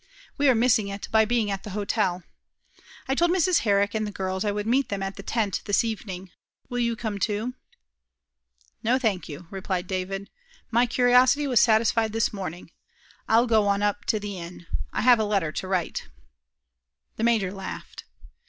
We are missing it by being at the hotel. I told Mrs. Herrick and the girls I would meet them at the tent this evening. Will you come, too?" "No, thank you," replied David, "my curiosity was satisfied this morning. I'll go on up to the inn. I have a letter to write." The major laughed.